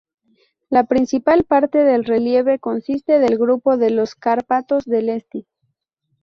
La principal parte del relieve consiste del grupo de los Cárpatos del este.